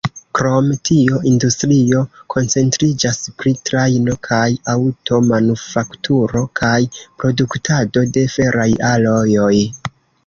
Krom tio, industrio koncentriĝas pri trajno- kaj aŭto-manufakturo kaj produktado de feraj alojoj.